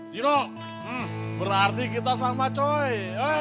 jino berarti kita sama coy